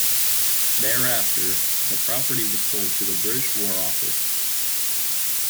Thereafter, the property was sold to the British War Office.